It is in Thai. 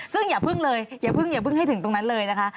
ซึ่งอย่าพึ่งเลยอย่าเพิ่งให้ถึงตรงนั้นเลยนะคะ